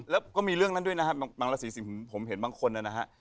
แล้วก็มีเรื่องนั้นด้วยนะครับบางราศีสิ่งผมเห็นบางคนนะฮะ